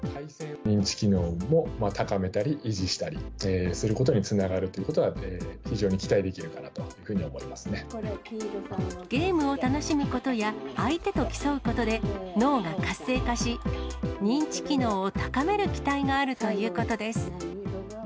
認知機能を高めたり、維持したり、そういうことにつながるということが非常に期待できるかなというゲームを楽しむことや、相手と競うことで、脳が活性化し、認知機能を高める期待があるということです。